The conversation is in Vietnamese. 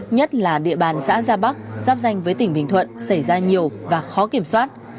nhất là địa bàn xã gia bắc giáp danh với tỉnh bình thuận xảy ra nhiều và khó kiểm soát